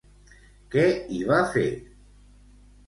Què hi va fer?